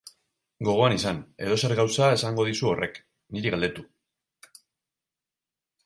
Gogoan izan, edozer gauza esango dizu horrek, niri galdetu.